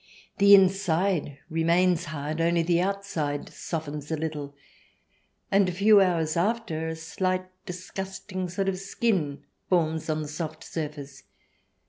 The inside remains hard, only the outside softens a little, and a few hours after, a slight, disgusting sort of skin forms on the soft surface.